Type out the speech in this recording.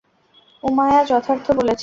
উমায়্যা যথার্থ বলেছে।